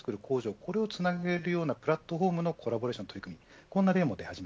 これをつなげるようなプラットフォームのコラボレーション